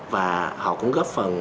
và họ cũng góp phần